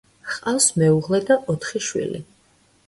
ჰყავს მეუღლე და ოთხი შვილი.